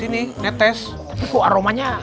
netes tapi kok aromanya